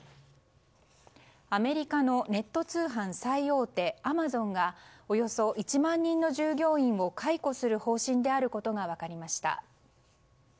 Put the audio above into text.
アメリカのネット通販最大手アマゾンがおよそ１万人の従業員を解雇する方針であることが分かりました。